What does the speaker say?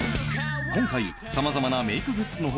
今回様々なメイクグッズの他